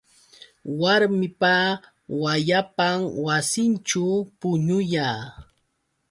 Warmipa wayapan wasinćhu puñuya.